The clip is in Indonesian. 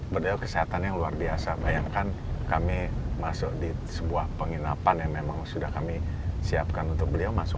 beliau kesehatan yang luar biasa bayangkan kami masuk di sebuah penginapan yang memang sudah kami siapkan untuk beliau masuk